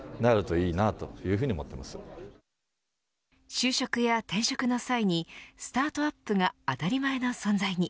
就職や転職の際にスタートアップが当たり前の存在に。